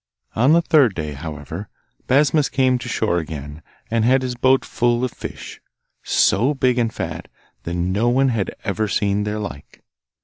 On the third day, however, Basmus came to shore again and had his boat full of fish, so big and fat that no one had ever seen their like.